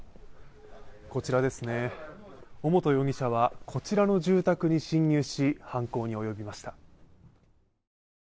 こちらですね、尾本容疑者はこちらの住宅に侵入し、犯行に及びました。